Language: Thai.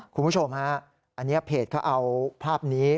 คุณผู้ชมฮะอันนี้เพจเขาเอาภาพนี้